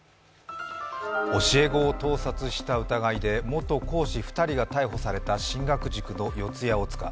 教え子を盗撮した疑いで元講師２人が逮捕された四谷大塚。